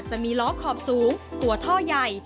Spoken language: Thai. จะมีล้อขอบสูงตัวท่อใหญ่